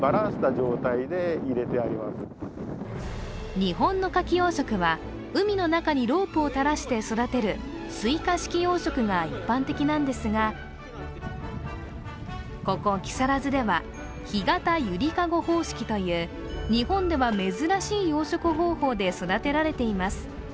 日本のかき養殖は海の中にロープを垂らして育てる垂下式養殖が一般的なんですがここ木更津では、干潟ゆりかご方式という日本では珍しい養殖方法で育てられています。